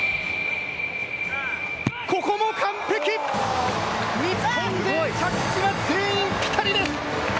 ここも完璧、日本勢着地は全員ピタリです。